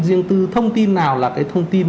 riêng tư thông tin nào là cái thông tin